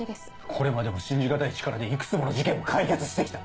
これまでも信じがたい力でいくつもの事件を解決して来た！